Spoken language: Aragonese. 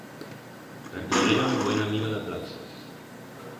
Replegueron buen amiro d'aplausos.